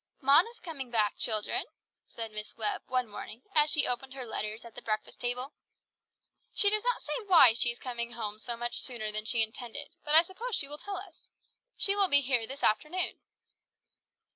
"Mona is coming back, children," said Miss Webb one morning as she opened her letters at the breakfast table. "She does not say why she is coming home so much sooner than she intended, but I suppose she will tell us. She will be here this afternoon."